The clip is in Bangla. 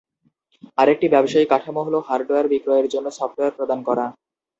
আরেকটি ব্যবসায়িক কাঠামো হল, হার্ডওয়্যার বিক্রয়ের জন্য সফটওয়্যার প্রদান করা।